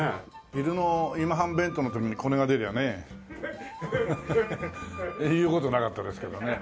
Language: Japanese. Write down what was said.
昼の今半弁当の時にこれが出りゃね言う事なかったですけどね。